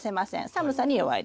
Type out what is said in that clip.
寒さに弱いです。